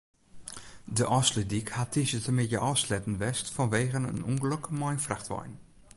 De Ofslútdyk hat tiisdeitemiddei ôfsletten west fanwegen in ûngelok mei in frachtwein.